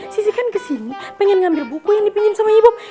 sisi kan ke sini pengen ngambil buku yang dipinjam sama ibub